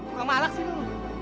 bukan malak sih lu